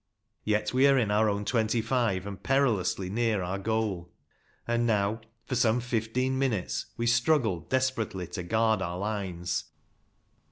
Yet we are in our own twenty five, and perilously near our goal. And now for some fifteen minutes we struggle desperately to guard our lines.